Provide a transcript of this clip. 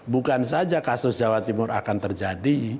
bukan saja kasus jawa timur akan terjadi